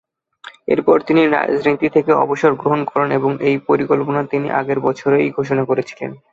এরপর তিনি রাজনীতি থেকে অবসর গ্রহণ করেন, এই পরিকল্পনা তিনি আগের বছরেই ঘোষণা করেছিলেন।